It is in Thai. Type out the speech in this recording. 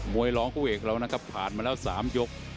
วยร้องคู่เอกเรานะครับผ่านมาแล้ว๓ยก